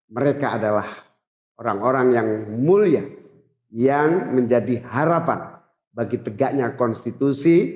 mereka adalah orang orang yang mulia yang menjadi harapan bagi tegaknya konstitusi